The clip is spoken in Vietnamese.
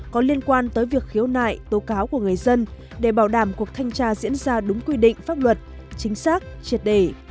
có liên quan tới việc khiếu nại tố cáo của người dân để bảo đảm cuộc thanh tra diễn ra đúng quy định pháp luật chính xác triệt đề